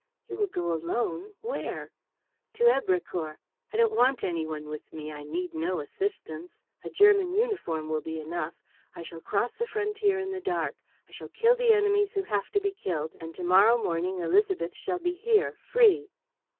"You will go alone? Where?" "To Èbrecourt. I don't want any one with me. I need no assistance. A German uniform will be enough. I shall cross the frontier in the dark. I shall kill the enemies who have to be killed and to morrow morning Élisabeth shall be here, free."